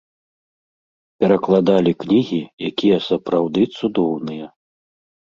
Перакладалі кнігі, якія сапраўды цудоўныя.